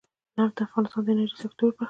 نفت د افغانستان د انرژۍ سکتور برخه ده.